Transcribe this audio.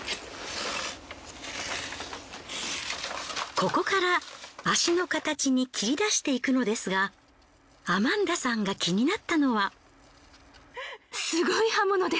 ここから足の形に切り出していくのですがアマンダさんが気になったのは。